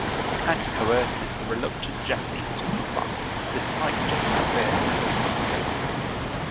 Hank coerces the reluctant Jesse to comply, despite Jesse's fear for his own safety.